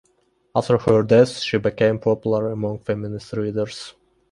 After her death, she became popular among feminist readers.